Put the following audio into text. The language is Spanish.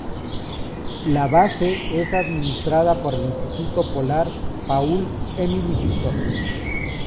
La base es administrada por el Instituto Polar Paul-Émile Victor.